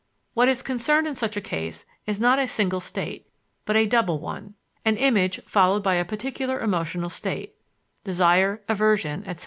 What is concerned in such a case is not a single state, but a double one: an image followed by a particular emotional state (desire, aversion, etc.).